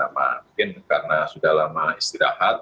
mungkin karena sudah lama istirahat